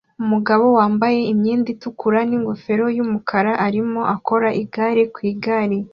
Umugabo wambaye imyenda itukura n'ingofero yumukara arimo akora igare ku igare